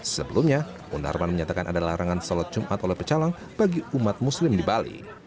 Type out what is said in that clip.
sebelumnya munarman menyatakan ada larangan sholat jumat oleh pecalang bagi umat muslim di bali